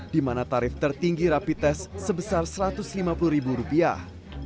di mana tarif tertinggi rapi tes sebesar satu ratus lima puluh ribu rupiah